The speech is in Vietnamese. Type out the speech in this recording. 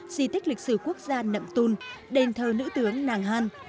di tích lịch sử quốc gia nậm tôn đền thờ nữ tướng nàng han